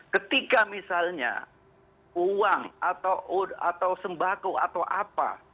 ketika misalnya uang atau sembako atau apa